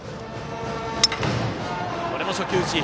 これも初球打ち。